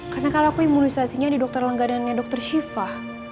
karena aku imunisasinya di dokter langganannya dokter syifa